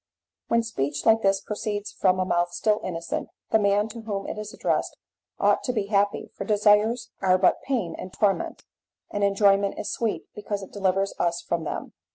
When speech like this proceeds from a mouth still innocent, the man to whom it is addressed ought to be happy, for desires are but pain and torment, and enjoyment is sweet because it delivers us from them.